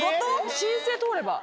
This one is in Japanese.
申請通れば。